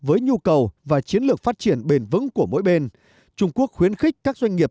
với nhu cầu và chiến lược phát triển bền vững của mỗi bên trung quốc khuyến khích các doanh nghiệp